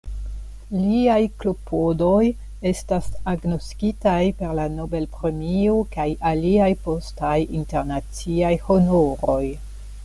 Liaj klopodoj estas agnoskitaj per la Nobel-premio kaj aliaj postaj internaciaj honoroj.